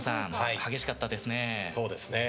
激しかったですね。